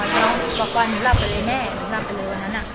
น้องบอกว่าหนูหลับไปเลยแม่หนูหลับไปเลยวันนั้น